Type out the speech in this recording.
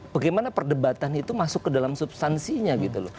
bagaimana perdebatan itu masuk ke dalam substansinya gitu loh